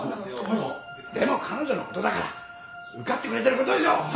でも彼女のことだから受かってくれてることでしょう！